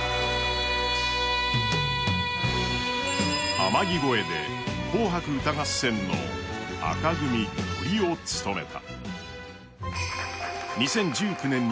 「天城越え」で「紅白歌合戦」の紅組トリを務めた。